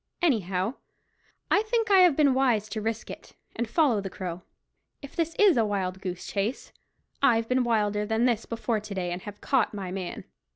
Anyhow, I think I have been wise to risk it, and follow the Crow. If this is a wild goose chase, I've been in wilder than this before to day, and have caught my man."